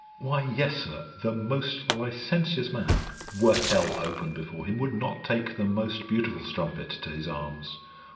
'Why, yes, Sir, the most licentious man, were hell open before him, would not take the most beautiful strumpet to his arms.